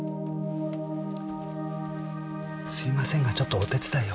すいませんがちょっとお手伝いを。